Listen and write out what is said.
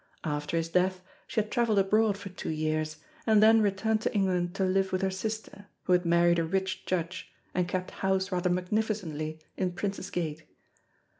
After his death she had travelled abroad for two years, and then returned to England to live with her sister, who had married a rich judge and kept house rather magnificently in Prince's Gate.